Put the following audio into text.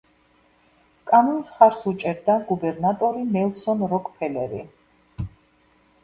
კანონს მხარს უჭერდა გუბერნატორი ნელსონ როკფელერი.